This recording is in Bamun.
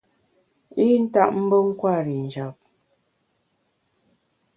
I ntap mbe nkwer i njap.